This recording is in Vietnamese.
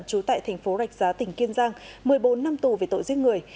trú tại thành phố rạch giá tỉnh kiên giang một mươi bốn năm tù về tội giết người